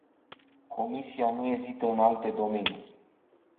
Comisia nu ezită în alte domenii.